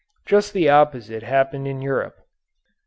Just the opposite happened in Europe.